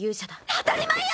当たり前よ！